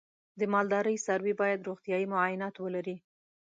د مالدارۍ څاروی باید روغتیايي معاینات ولري.